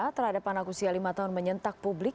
terhadap anak usia lima tahun menyentak publik